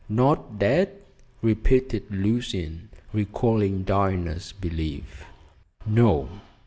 "Not dead?" repeated Lucian, recalling Diana's belief. "No!